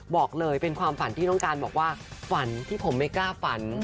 บอกเลยเป็นความฝันที่น้องการบอกว่าฝันที่ผมไม่กล้าฝัน